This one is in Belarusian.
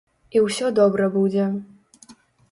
І ўсё добра будзе.